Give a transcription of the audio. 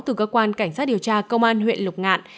từ cơ quan cảnh sát điều tra công an huyện lục ngạn